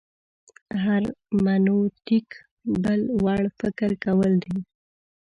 هرمنوتیک بل وړ فکر کول دي.